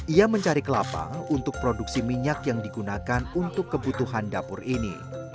ia mencari kelapa untuk produksi minyak yang digunakan untuk kebutuhan dapur ini